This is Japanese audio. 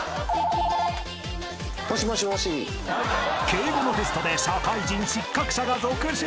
☎［敬語のテストで社会人失格者が続出］